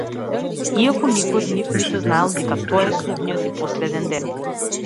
Иако никој од нив ниту знаел дека тоа е судниот и последен ден.